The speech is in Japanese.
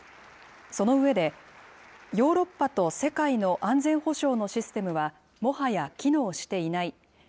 その上で、ヨーロッパと世界の安全保障のシステムは、もはや機能していない。